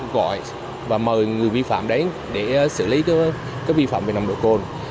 gọi và mời người vi phạm đến để xử lý các vi phạm về nồng độ cồn